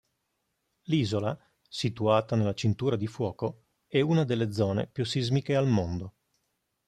L'isola, situata nella Cintura di fuoco, è una delle zone più sismiche al mondo.